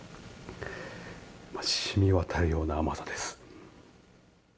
しみわたるような甘さです。